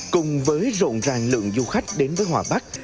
cùng với rộn ràng lượng du khách đến với hòa bắc